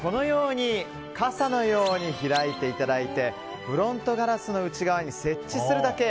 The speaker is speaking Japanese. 傘のように開いていただいてフロントガラスの内側に設置するだけ。